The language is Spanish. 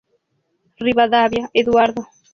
Rivadavia, Eduardo.